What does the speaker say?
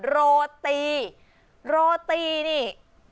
โรตีโรตีนี่